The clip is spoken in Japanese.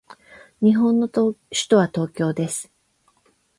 日本の首都は東京です。